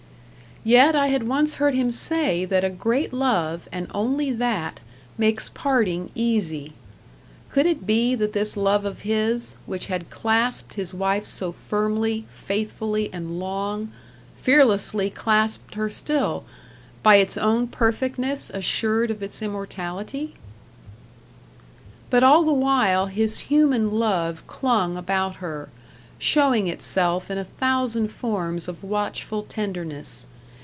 Yet I had once heard him say that a great love, and only that, makes parting easy. Could it be that this love of his, which had clasped his wife so firmly, faithfully, and long, fearlessly clasped her still, by its own perfectness assured of its immortality? But all the while his human love clung about her, showing itself in a thousand forms of watchful tenderness.